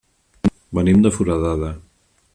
Venim de Foradada.